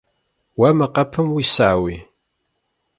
Уэ мы къэпым уисауи?